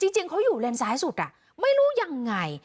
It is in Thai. จริงเขาอยู่เลนซ้ายสุดไม่รู้ยังไง